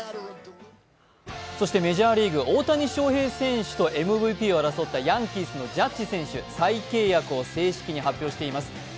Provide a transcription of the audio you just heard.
そしてメジャーリーグ、大谷翔平選手とＭＶＰを争ったヤンキースのジャッジ選手、再契約を正式に発表しています。